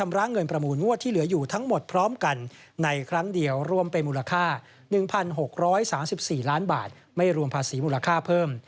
มูลค่า๑๖๓๔ล้านบาทไม่รวมภาษีมูลค่าเพิ่ม